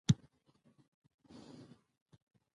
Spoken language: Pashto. واوره د افغان ماشومانو د لوبو یوه جالبه موضوع ده.